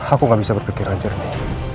aku gak bisa berpikiran jernih